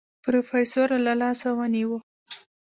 پروفيسر له لاسه ونيو.